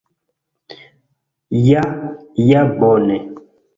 Ja ja bone